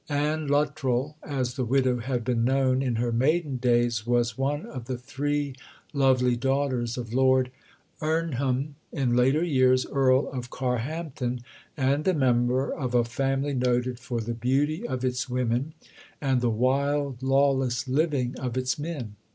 Anne Luttrell, as the widow had been known in her maiden days, was one of the three lovely daughters of Lord Irnham, in later years Earl of Carhampton, and a member of a family noted for the beauty of its women, and the wild, lawless living of its men.